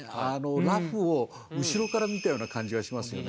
裸婦を後ろから見たような感じがしますよね。